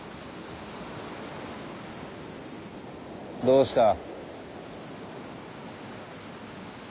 どうした。